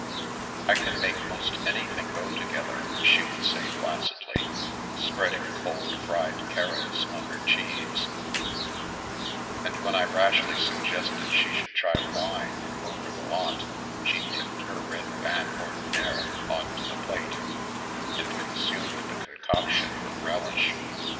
" I can make most anything go together," she would say placidly, spreading cold fried carrots on her cheese, and when I rashly suggested she should try wine over the lot, she tipped her red zrin ordinaire on to the plate, and consumed the concoction with relish.